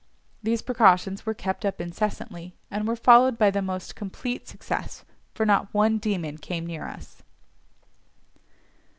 These precautions were kept up incessantly, and were followed by the most complete success, for not one demon came near us.